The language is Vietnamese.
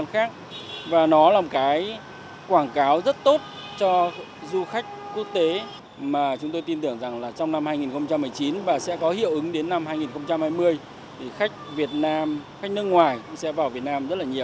khách việt nam khách nước ngoài sẽ vào việt nam rất là nhiều